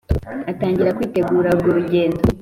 atangira kwitegura urwo rugendo.